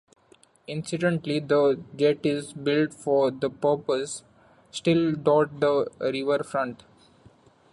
Incidentally, the jetties built for the purpose still dot the riverfront.